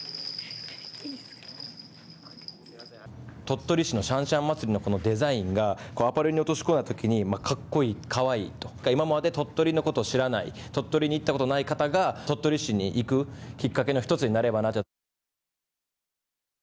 鳥取市のしゃんしゃん祭のこのデザインがアパレルに落とし込んだときに格好いい、かわいいと今まで鳥取のことを知らない鳥取に行ったことがない方が鳥取市に行くきっかけの一つになればなと。